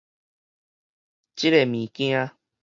這个物件